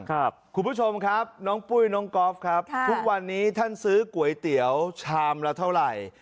คุณผู้ชมครับน้องปุ้ยน้องก๊อฟครับทุกวันนี้ท่านซื้อก๋วยเตี๋ยวชามละเท่าไหร่